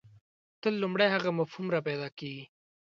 تل لومړی هغه مفهوم راپیدا کېږي.